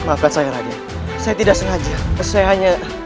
maafkan saya saja saya tidak sengaja saya hanya